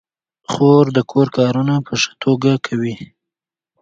خور د کور کارونه په ښه توګه کوي.